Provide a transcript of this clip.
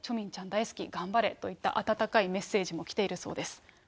大好き、頑張れといった温かいメッセージも来ているそうです。